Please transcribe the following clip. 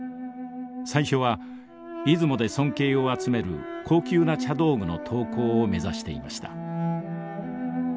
最初は出雲で尊敬を集める高級な茶道具の陶工を目指していました。